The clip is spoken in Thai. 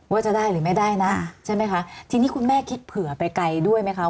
ว่าจะได้หรือไม่ได้นะใช่ไหมคะทีนี้คุณแม่คิดเผื่อไปไกลด้วยไหมคะ